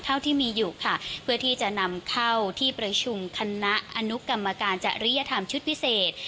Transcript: เท่าที่มีอยู่ค่ะเพื่อที่จะนำเข้าที่ประชุมคณะอนุกรรมการจริยธรรมชุดพิเศษ